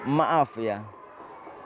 pendidikan dari sekolah pendidikan dari sekolah